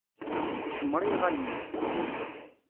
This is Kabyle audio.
Icemmeṛ i yiɣallen-is.